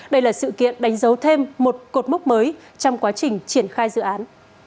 đây là sự kiện đánh dấu thêm một cột mốc mới trong quá trình triển khai dự án